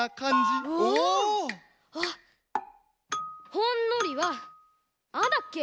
ほんのりはああだっけ？